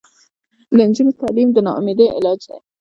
د نجونو تعلیم د ناامیدۍ علاج دی.